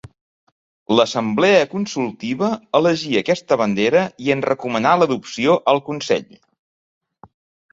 L'Assemblea Consultiva elegí aquesta bandera i en recomanà l'adopció al consell.